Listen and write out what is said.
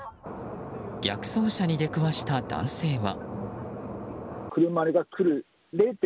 逆走車に出くわした男性は。